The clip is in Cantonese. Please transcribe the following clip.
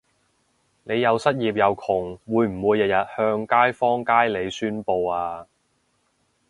你又失業又窮會唔會日日向街坊街里宣佈吖？